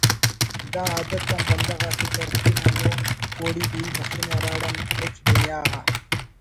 دا عادت آن بندغ آتے ترقی نا ہمو پوڑی دوئی مسنے ہراڑان مچ دنیا غا